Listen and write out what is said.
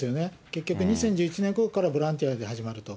結局、２０１１年ごろからボランティアが始まると。